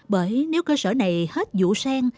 bởi nếu cơ sở này hết dụ sen